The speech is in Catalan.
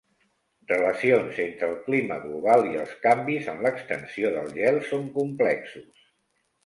Relacions entre el clima global i els canvis en l'extensió del gel són complexos.